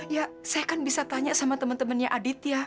ya saya kan bisa tanya sama temen temennya aditya